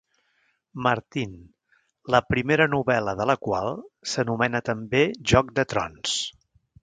Martin, la primera novel·la de la qual s'anomena també Joc de trons.